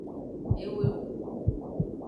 Ewedudu.